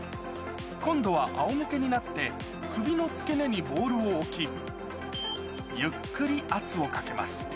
今度はあおむけになって、首の付け根にボールを置き、ゆっくり圧をかけます。